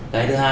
cái thứ hai